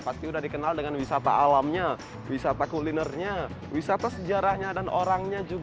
pasti udah dikenal dengan wisata alamnya wisata kulinernya wisata sejarahnya dan orangnya juga